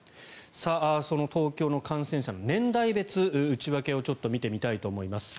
その東京の感染者の年代別内訳をちょっと見てみたいと思います。